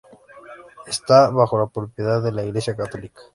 Está bajo propiedad de la Iglesia Católica.